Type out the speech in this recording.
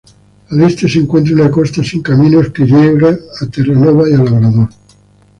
Al este se encuentra una costa sin caminos que llega a Terranova y Labrador.